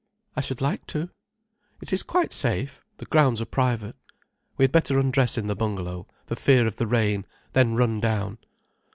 "I should like to." "It is quite safe—the grounds are private. We had better undress in the bungalow, for fear of the rain, then run down."